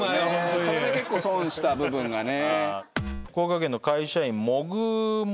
それで結構損した部分がね。